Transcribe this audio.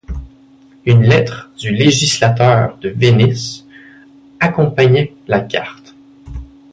Une lettre du législateur de Venise accompagnait la carte.